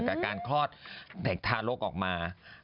การคลอดเด็กทารกออกมา